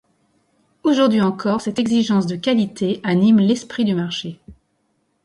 Aujourd’hui encore, cette exigence de qualité anime l’esprit du marché.